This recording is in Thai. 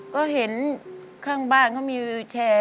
ก็เห็นข้างบ้านเขามีวิวแชร์